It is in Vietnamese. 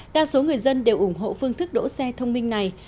đa số người dân đều ủng hộ phương thức đỗ xe thông minh này